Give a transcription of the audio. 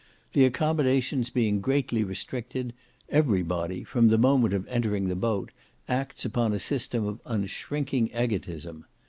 The accommodations being greatly restricted, every body, from the moment of entering the boat, acts upon a system of unshrinking egotism.